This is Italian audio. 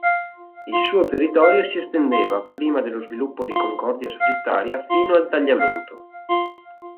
Il suo territorio si estendeva, prima dello sviluppo di Concordia Sagittaria, fino al Tagliamento.